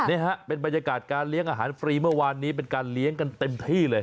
นี่ฮะเป็นบรรยากาศการเลี้ยงอาหารฟรีเมื่อวานนี้เป็นการเลี้ยงกันเต็มที่เลย